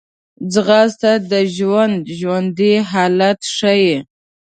ځغاسته د ژوند ژوندي حالت ښيي